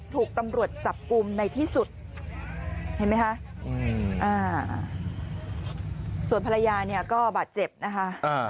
ถูกตำรวจจับกลุ่มในที่สุดเห็นไหมคะส่วนภรรยาเนี่ยก็บาดเจ็บนะคะ